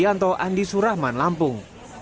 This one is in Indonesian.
atau tiga delapan puluh lima persen